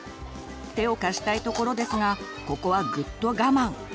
手を貸したいところですがここはぐっと我慢。